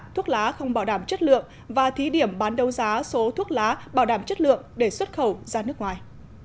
thuốc lá không bảo đảm chất lượng và thí điểm bán đấu giá số thuốc lá bảo đảm chất lượng để xuất khẩu ra nước ngoài